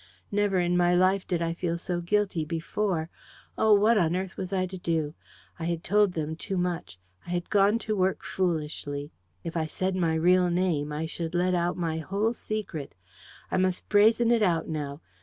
Never in my life did I feel so guilty before. Oh! what on earth was I to do? I had told them too much; I had gone to work foolishly. If I said my real name, I should let out my whole secret. I must brazen it out now.